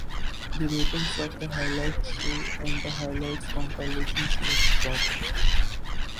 The ratings of the highlights shows and the highlights compilation shows dropped.